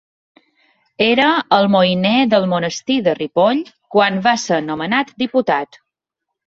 Era almoiner del monestir de Ripoll quan va ser nomenat diputat.